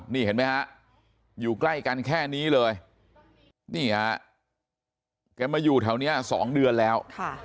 นี่เห็นไหมฮะอยู่ใกล้กันแค่นี้เลยนี่ฮะแกมาอยู่แถวนี้๒เดือนแล้ว